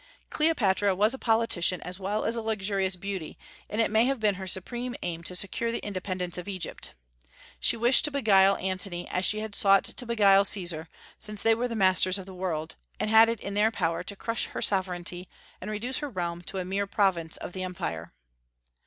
Cleopatra was a politician as well as a luxurious beauty, and it may have been her supreme aim to secure the independence of Egypt. She wished to beguile Antony as she had sought to beguile Caesar, since they were the masters of the world, and had it in their power to crush her sovereignty and reduce her realm to a mere province of the empire.